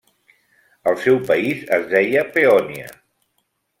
El seu país es deia Peònia.